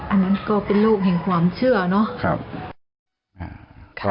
อันนั้นก็เป็นลูกแห่งความเชื่อเนาะ